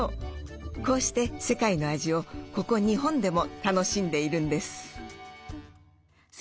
こうして世界の味をここ日本でも楽しんでいるんです。